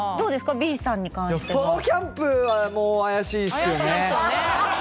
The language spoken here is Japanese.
Ｂさんに関してはソロキャンプはもう怪しいっすよね怪しいですよね